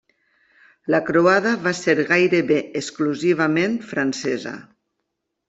La croada va ser gairebé exclusivament francesa.